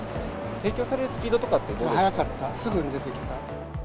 提供されるスピードとかって早かった、すぐに出てきた。